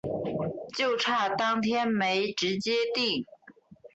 就差当天没直接订